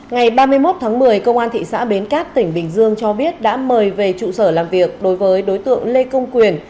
ngày ba mươi một tháng một mươi công an thị xã bến cát tỉnh bình dương cho biết đã mời về trụ sở làm việc đối với đối tượng lê công quyền